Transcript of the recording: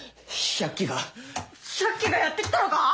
百鬼がやって来たのか！？